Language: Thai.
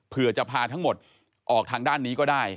เพื่อจะพาทั้งหมดออกทางด้านนี้ก็ได้